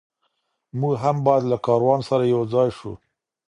موږ هم باید له کاروان سره یو ځای سو.